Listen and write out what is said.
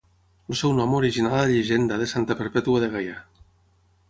El seu nom originà la llegenda de Santa Perpètua de Gaià.